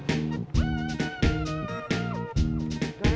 kan banyak itu shay